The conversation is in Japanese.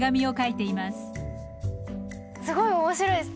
すごい面白いです。